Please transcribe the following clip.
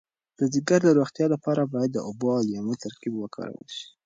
د ځیګر د روغتیا لپاره باید د اوبو او لیمو ترکیب وکارول شي.